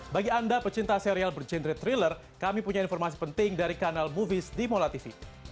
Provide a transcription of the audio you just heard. bagi anda pecinta serial berjenre thriller kami punya informasi penting dari kanal movies di mola tv